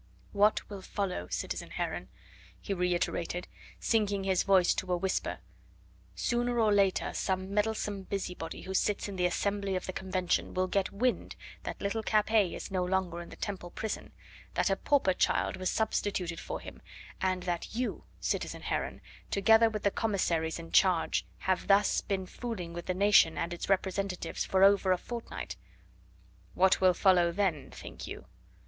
"What will follow, citizen Heron?" he reiterated, sinking his voice to a whisper; "sooner or later some meddlesome busybody who sits in the Assembly of the Convention will get wind that little Capet is no longer in the Temple prison, that a pauper child was substituted for him, and that you, citizen Heron, together with the commissaries in charge, have thus been fooling the nation and its representatives for over a fortnight. What will follow then, think you?"